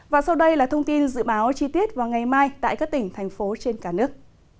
và sau đây là thông tin dự báo chi tiết vào ngày mai tại các tỉnh thành phố trên cả nước